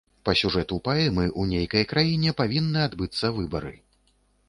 Па сюжэту паэмы ў нейкай краіне павінны адбыцца выбары.